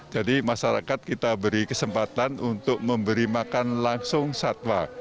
jadi masyarakat kita beri kesempatan untuk memberi makan langsung satwa